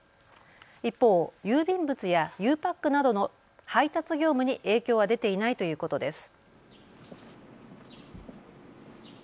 一方、郵便物やゆうパックなどの配達業務に影響は出ていないということです。